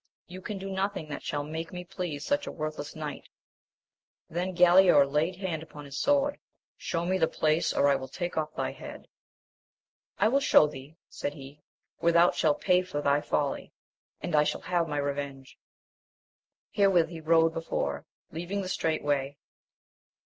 — You can do nothing that shall make me please such a worthless knight. Then Galaor laid hand upon his sword ;— Shew me the place, or I will take off thy head. I will shew thee, said he, where thou shalt pay for thy folly, and I shall have my revenge. Herewith he rode before, leaving the straight way.